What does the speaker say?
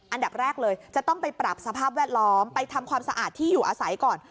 อันดับแรกเลยจะต้องไปปรับสภาพแวดล้อมไปทำความสะอาดที่อยู่อาศัยก่อน